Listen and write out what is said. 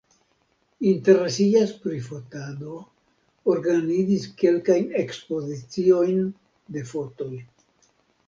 Interesiĝas pri fotado, organizis kelkajn ekspoziciojn de fotoj.